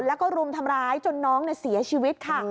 แล้วก็รุมทำร้ายจนน้องเสียชีวิตค่ะ